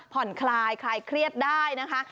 ผ่อนคลายคลายเครียดได้นะคะ